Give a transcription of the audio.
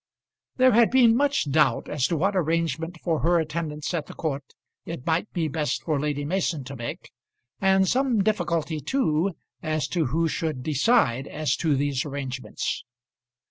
There had been much doubt as to what arrangement for her attendance at the court it might be best for Lady Mason to make, and some difficulty too as to who should decide as to these arrangements.